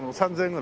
４０００円。